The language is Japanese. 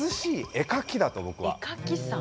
絵描きさん。